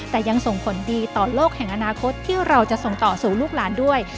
แต่ยังส่งผลดีต่อโลกแห่งอนาคตที่เราจะส่งต่อสู่ลูกหลานด้วย